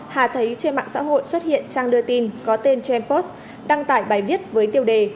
hà thấy trên mạng xã hội xuất hiện trang đưa tin có tên jampost đăng tải bài viết với tiêu đề